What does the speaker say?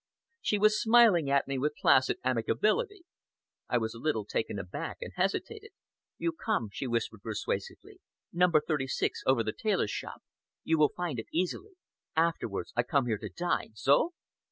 She was smiling at me with placid amicability. I was a little taken aback and hesitated. "You come," she whispered persuasively. "No. 36, over the tailor's shop. You will find it easily. Afterwards I come here to dine! So?"